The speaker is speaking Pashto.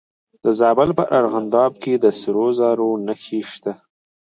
د زابل په ارغنداب کې د سرو زرو نښې شته.